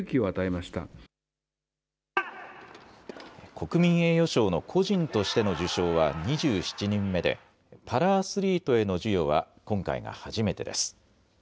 国民栄誉賞の個人としての受賞は２７人目でパラアスリートへの授与は今回が初めてです。